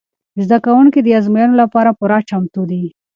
زده کوونکي د ازموینو لپاره پوره چمتو دي.